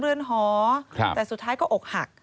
เรือนหอแต่สุดท้ายก็อกหัก